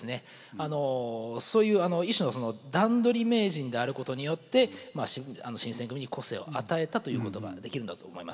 そういう一種の段取り名人であることによって新選組に個性を与えたということができるんだと思います。